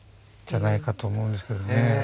じゃないかと思うんですけどね。